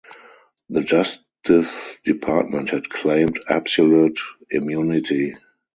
The Justice Department had claimed "absolute immunity".